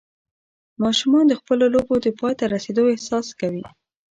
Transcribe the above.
ماشومان د خپلو لوبو د پای ته رسېدو احساس کوي.